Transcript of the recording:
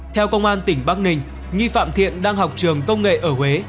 theo công an tỉnh bắc ninh nghi phạm thiện đang học trường công nghệ ở huế